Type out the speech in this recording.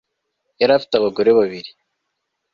yari afite abagore babiri